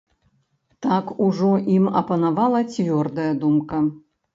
Так ужо ім апанавала цвёрдая думка.